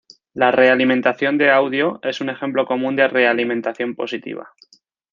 La realimentación de audio es un ejemplo común de realimentación positiva.